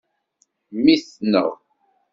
Mmi-tneɣ.